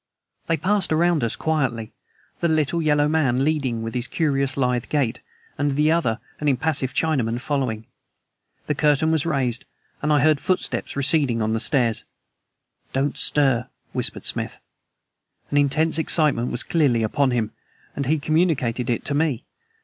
They passed around us quietly, the little yellow man leading, with his curious, lithe gait, and the other, an impassive Chinaman, following. The curtain was raised, and I heard footsteps receding on the stairs. "Don't stir," whispered Smith. An intense excitement was clearly upon him, and he communicated it to me.